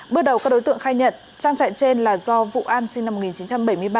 bước đầu các đối tượng khai nhận trang trại trên là do vụ an sinh năm một nghìn chín trăm bảy mươi ba